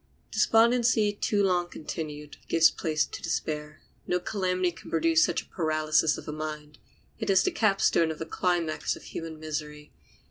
Despondency too long continued gives place to despair. No calamity can produce such a paralysis of the mind. It is the capstone of the climax of human misery.